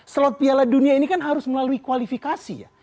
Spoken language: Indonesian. slot piala dunia ini kan harus melalui kualifikasi ya